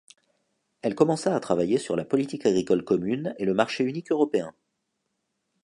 Elle commença à travailler sur la Politique agricole commune et le marché unique européen.